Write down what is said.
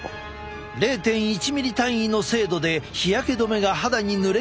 ０．１ミリ単位の精度で日焼け止めが肌に塗れているか確認できる。